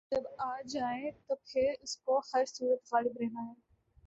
رسول جب آ جائے تو پھر اس کو ہر صورت غالب رہنا ہے۔